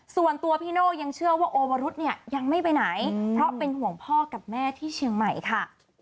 ส่วนตัวพี่โน่ยังเชื่อว่าโอวรุษเนี่ยยังไม่ไปไหนเพราะเป็นห่วงพ่อกับแม่ที่เชียงใหม่ค่ะ